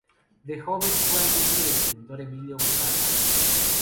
De joven fue alumno del pintor Emilio Casals.